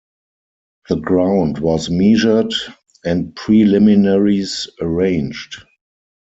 The ground was measured, and preliminaries arranged.